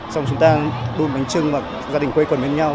xong chúng ta đun bánh trưng và gia đình quê quần với nhau